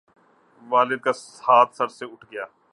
والد کا ہاتھ سر سے اٹھ گیا